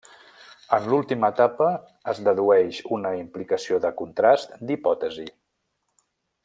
En l'última etapa, es dedueix una implicació de contrast d'hipòtesi.